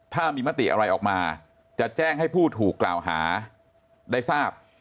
ถ้ามีมติอะไรออกมาจะแจ้งให้ผู้ถูกกล่าวหาได้ทราบ